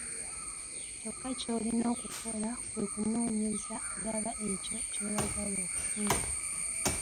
Kyokka ky'olina okukola kwe kunoonyeza ddala ekyo ky'oyagala okufuna.